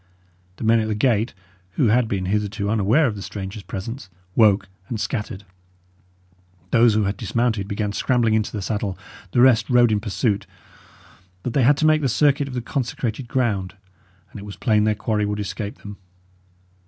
The men at the gate, who had been hitherto unaware of the stranger's presence, woke and scattered. Those who had dismounted began scrambling into the saddle; the rest rode in pursuit; but they had to make the circuit of the consecrated ground, and it was plain their quarry would escape them.